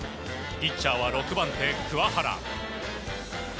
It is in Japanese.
ピッチャーは６番手、鍬原。